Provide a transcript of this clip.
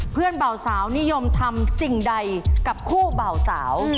เพื่อนเบ่าสาวนิยมทำสิ่งใดกับคู่เบ่าสาว